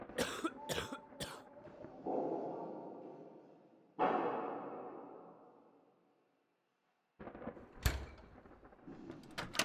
بیا یې بیرته در څخه غواړو.